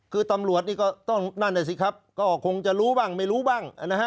คือตำรวจนี่ก็ต้องนั่นน่ะสิครับก็คงจะรู้บ้างไม่รู้บ้างนะฮะ